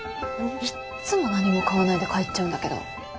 いっつも何も買わないで帰っちゃうんだけど。